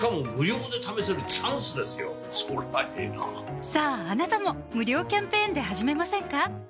そりゃええなさぁあなたも無料キャンペーンで始めませんか？